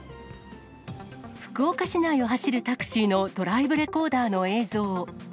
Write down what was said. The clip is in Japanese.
福岡市内を走るタクシーのドライブレコーダーの映像。